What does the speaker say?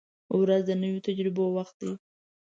• ورځ د نویو تجربو وخت دی.